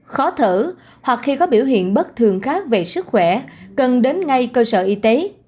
khó thở hoặc khi có biểu hiện bất thường khác về sức khỏe cần đến ngay cơ sở y tế